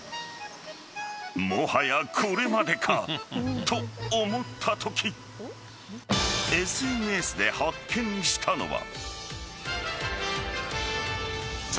もはやこれまでかと思ったときＳＮＳで発見したのは。